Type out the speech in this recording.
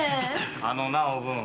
あのなおぶん。